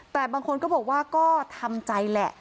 แต่บางคนก็บอกว่าก็ทำใจแหละ